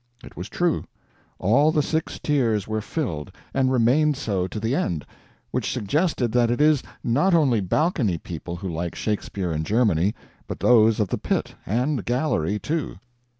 It was true; all the six tiers were filled, and remained so to the end which suggested that it is not only balcony people who like Shakespeare in Germany, but those of the pit and gallery, too.